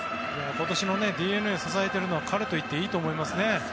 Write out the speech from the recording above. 今年のＤｅＮＡを支えているのは彼といってもいいと思いますね。